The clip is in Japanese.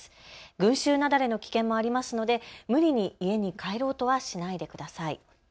群衆雪崩の危険もありますので無理に家に帰ろうとはしないでください。